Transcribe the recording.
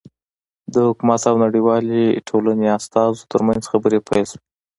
د حکومت او نړیوالې ټولنې استازو ترمنځ خبرې پیل شوې.